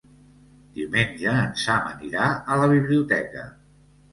Diumenge en Sam anirà a la biblioteca.